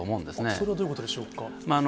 それはどういうことでしょう